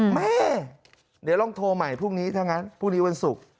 แม่เดี๋ยวลองโทรใหม่พรุ่งนี้ถ้างั้นพรุ่งนี้วันศุกร์